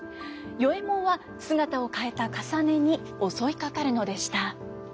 与右衛門は姿を変えたかさねに襲いかかるのでした。